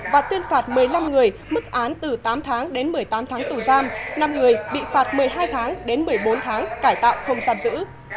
và tuyên phạt một mươi năm người mức án từ tám tháng đến một mươi tám tháng tù giam năm người bị phạt một mươi hai tháng đến một mươi bốn tháng cải tạo không giam giữ